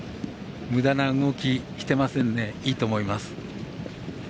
むだな動きしてませんねいいと思います。